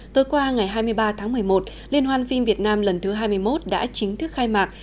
tối qua ngày hai mươi ba tháng một mươi một liên hoan phim việt nam lần thứ hai mươi một đã chính thức khai mạc